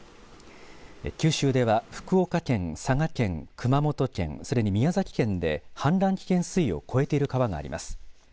九州では福岡県、佐賀県、熊本県、それに宮崎県で氾濫危険水位を超えている川があります。